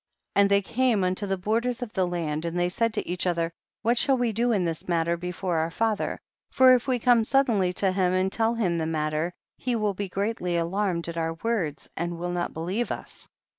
91. And they came unto the bor ders of the land, and they said to each other, what shall we do in this matter before our father, for if we come suddenly to him and tell him the matter, he will be greatly alarmed at oiu: words and will not believe us.